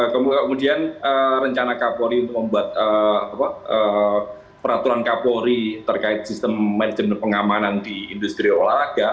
kemudian rencana kapolri untuk membuat peraturan kapolri terkait sistem manajemen pengamanan di industri olahraga